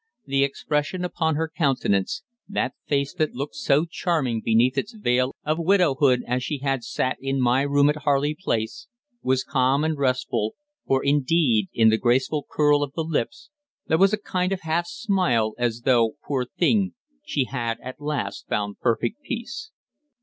The expression upon her countenance that face that looked so charming beneath its veil of widowhood as she had sat in my room at Harley Place was calm and restful, for indeed, in the graceful curl of the lips, there was a kind of half smile, as though, poor thing, she had at last found perfect peace.